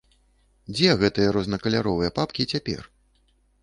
Дзе гэтыя рознакаляровыя папкі цяпер?